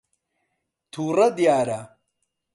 تووڕە دیارە.